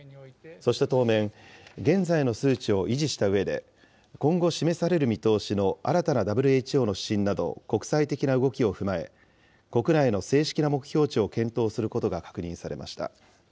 そして当面、現在の数値を維持したうえで、今後示される見通しの新たなＷＨＯの指針など、国際的な動きを踏まえ、国内の正式な目標値を検討することが確認されました。